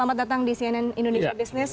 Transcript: selamat datang di cnn indonesia business